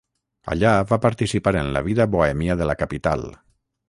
Allà va participar en la vida bohèmia de la capital.